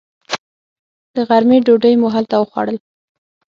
د غرمې ډوډۍ مو هلته وخوړل.